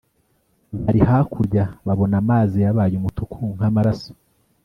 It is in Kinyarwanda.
bari hakurya babona amazi yabaye umutuku nk’amaraso